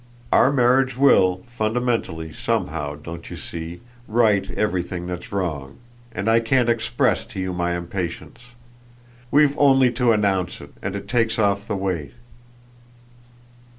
Our marriage will fundamentally, somehow, don't you see? right everything that's wrong, and I can't express to you my impatience. We've only to announce it and it takes off the weight."